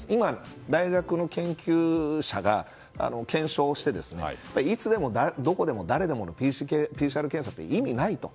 今、大学が検証していていつでもどこでも誰でものＰＣＲ検査って意味ないと。